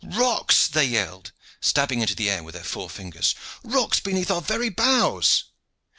"Rocks!" they yelled, stabbing into the air with their forefingers. "Rocks beneath our very bows!"